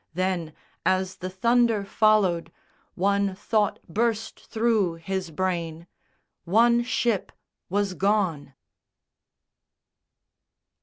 Then, as the thunder followed, One thought burst through his brain _One ship was gone!